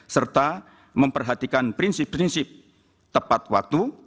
serta memperhatikan prinsip prinsip tepat waktu